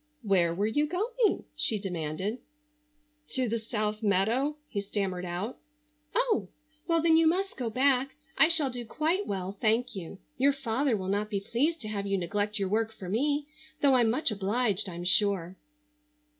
"Where were you going?" she demanded. "To the South meadow," he stammered out. "Oh, well, then you must go back. I shall do quite well, thank you. Your father will not be pleased to have you neglect your work for me, though I'm much obliged I'm sure."